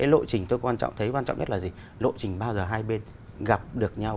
là hai bên gặp được nhau